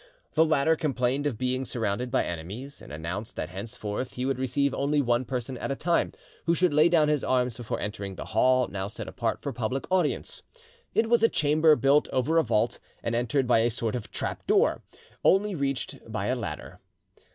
The latter complained of being surrounded by enemies, and announced that henceforth he would receive only one person at a time, who should lay down his arms before entering the hall now set apart for public audience. It was a chamber built over a vault, and entered by a sort of trap door, only reached by a ladder.